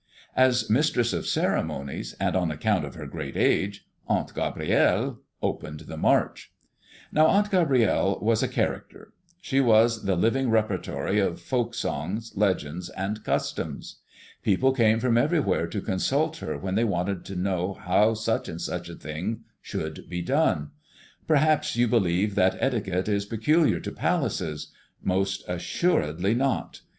As mistress of ceremonies, and on account of her great age, Aunt Gabrielle opened the march. Now, Aunt Gabrielle was a character. She was the living repertory of folk songs, legends, and customs. People came from everywhere to consult her when they wanted to know how such and such a thing should be done. Perhaps you believe that etiquette is peculiar to palaces. Most assuredly not.